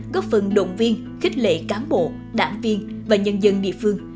góp phần động viên khích lệ cán bộ đảng viên và nhân dân địa phương